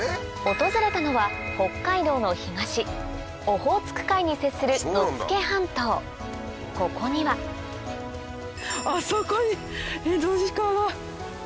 訪れたのは北海道の東オホーツク海に接するここにはあそこにエゾシカが！